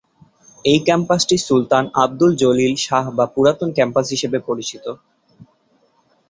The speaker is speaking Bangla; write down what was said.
এই ক্যাম্পাসটি সুলতান আবদুল জলিল শাহ বা পুরাতন ক্যাম্পাস হিসেবে পরিচিত।